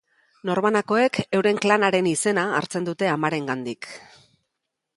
Norbanakoek euren klanaren izena hartzen dute amarengandik.